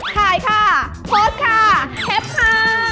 ถ่ายค่ะโพสต์ค่ะเทปค่ะ